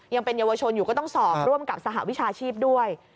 ยังเป็นเยาวชนอยู่ก็ต้องสอบร่วมกับสหวิชาชีพด้วย